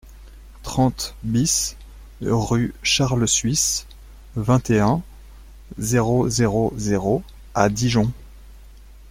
trente BIS rue Charles Suisse, vingt et un, zéro zéro zéro à Dijon